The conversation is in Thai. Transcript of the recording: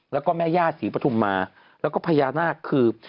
แล้วก็แม่ย่าศรีปฐุมมาแล้วก็พญานาคคือ